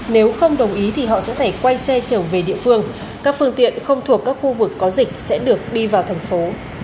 nếu không đồng ý thì họ sẽ phải quay xe trở về địa phương các phương tiện không thuộc các khu vực có dịch sẽ được đi vào thành phố